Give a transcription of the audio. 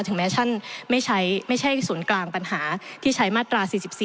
แม้ท่านไม่ใช่ศูนย์กลางปัญหาที่ใช้มาตรา๔๔